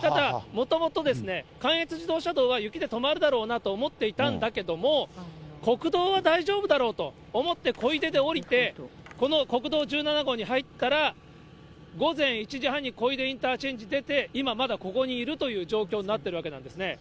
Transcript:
ただもともと、関越自動車道は雪で止まるだろうなと思っていたんだけれども、国道は大丈夫だろうと思って小出で降りて、この国道１７号に入ったら、午前１時半に小出インターチェンジ出て、今、まだここにいるという状況になっているわけなんですね。